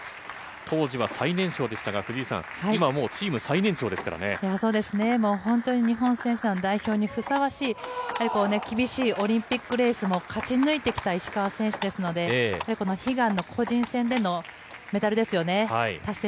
当時は最年少でしたが、ふじいさん、今もう、本当に日本選手団の代表にふさわしい、やはり厳しいオリンピックレースも勝ち抜いてきた石川選手ですので、やはり悲願の個人戦でのメダルですよね。